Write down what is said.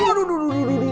opa tetap berasa